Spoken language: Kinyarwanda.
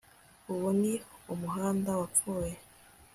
Uyu ni umuhanda wapfuye